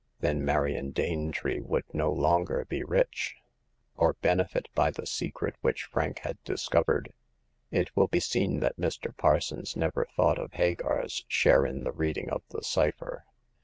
Then Marion Danetree would no longer be rich, or benefit by the secret which Frank had discovered. It will be seen that Mr. Parsons never thought of Hagar's share in the reading of the cypher.